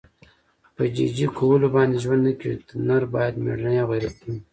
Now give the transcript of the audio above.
په جي جي کولو باندې ژوند نه کېږي. نر باید مېړنی او غیرتي وي.